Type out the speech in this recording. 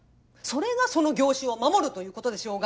それがその業種を守るということでしょうが。